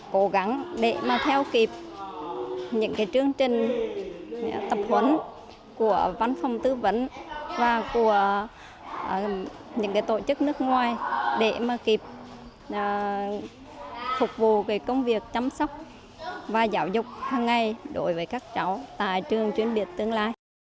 cố gắng để mà theo kịp những cái chương trình tập huấn của văn phòng tư vấn và của những cái tổ chức nước ngoài để mà kịp phục vụ cái công việc chăm sóc và giáo dục hằng ngày đối với các cháu tại trường chuyên biệt tương lai